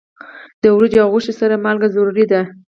د وریجو او غوښې سره مالګه ضروری ده.